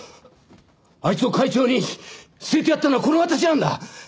あいつを会長に据えてやったのはこの私なんだ。